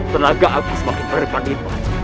tenaga aku semakin berpengibat